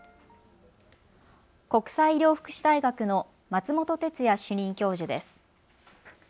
国際医療福祉大学の松本哲哉主任教授です。